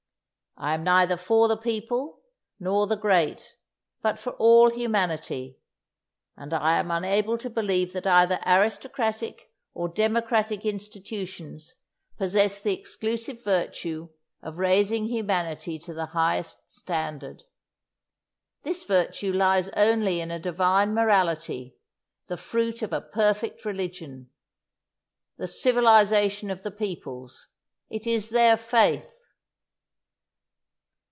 I am neither for the people nor the great, but for all humanity; and I am unable to believe that either aristocratic or democratic institutions possess the exclusive virtue of raising humanity to the highest standard. This virtue lies only in a divine morality, the fruit of a perfect religion! The civilization of the peoples it is their faith!"